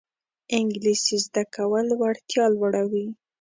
انګلیسي زده کول وړتیا لوړوي